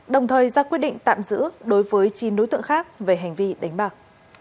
đồng thời ra quyết định tạm giữ đối với chín đối tượng khác về hành vi đánh bạc